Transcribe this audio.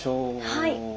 はい。